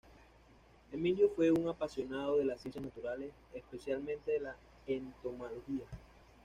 Emilio fue un apasionado de las ciencias naturales, especialmente de la entomología.